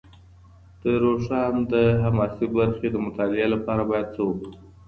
د روښان د حماسي برخې د مطالعې لپاره باید څه وکړو؟